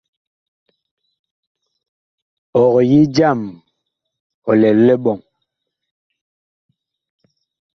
Ɔg yi jam ɔ lɛ liɓɔŋ.